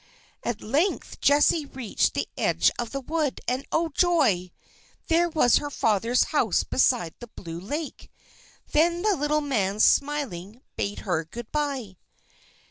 At length Jessie reached the edge of the wood, and, oh, joy! there was her father's house beside the blue lake. Then the little man, smiling, bade her good bye.